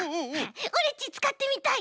オレっちつかってみたい。